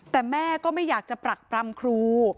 แต่แม่ก็ไม่อยากจะปรักปรำครู